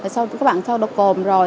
sau khi các bạn đo độ cồn rồi